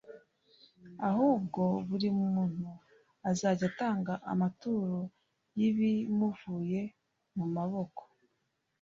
ahubwo buri muntu azajye atanga amaturo y’ibimuvuye mu maboko,